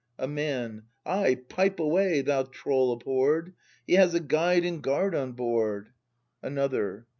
A Man. Ay, pipe away, thou troll ahhorr'd! He has a Guide and Guard on board ! Another.